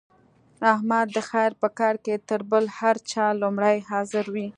احمد د خیر په کار کې تر بل هر چا لومړی حاضر وي.